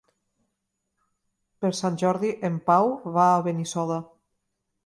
Per Sant Jordi en Pau va a Benissoda.